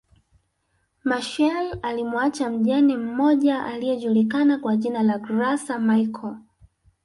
Machel alimuacha mjane mmoja aliyejulikana kwa jina la Graca Michael